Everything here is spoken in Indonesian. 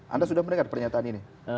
anda sudah mendengar pernyataan ini